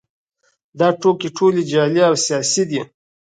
دا ټوکې ټولې جعلي او سیاسي دي